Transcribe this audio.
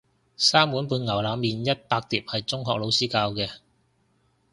三碗半牛腩麵一百碟係中學老師教嘅